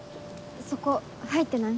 そこ入ってない？